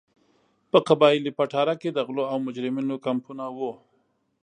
په قبایلي پټاره کې د غلو او مجرمینو کمپونه وو.